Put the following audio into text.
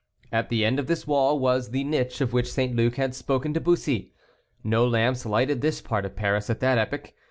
At the end of this wall was the niche of which St. Luc had spoken to Bussy. No lamps lighted this part of Paris at that epoch.